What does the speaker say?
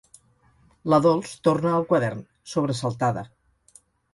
La Dols torna al quadern, sobresaltada.